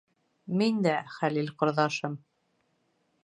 Мин дә, Хәлил ҡорҙашым.